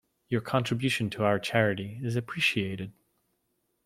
Your contribution to our charity is appreciated.